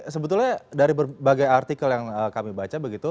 sebetulnya dari berbagai artikel yang kami baca begitu